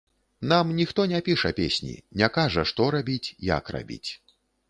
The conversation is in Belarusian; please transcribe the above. Нам ніхто не піша песні, не кажа што рабіць, як рабіць.